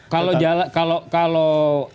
kalau aspirasinya pak ku itu